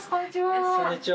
こんにちは。